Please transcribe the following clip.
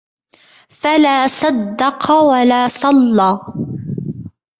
فَلا صَدَّقَ وَلا صَلَّى